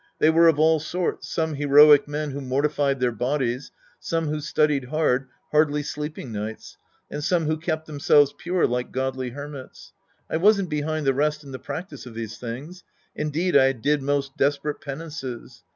They were of all sorts, some heroic men who mortified their bodies, some who studied hard, hardly sleeping nights, and some who kept themselves pure like godly hermits. I wasn't behind the rest in the practice of these things. Indeed, I did most desperate penances.